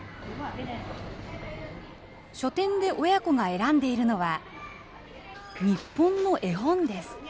書店で親子が選んでいるのは、日本の絵本です。